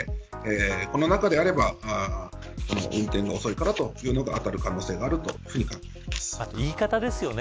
この中であれば運転が遅いからというのがカスハラに当たる可能性が言い方ですよね。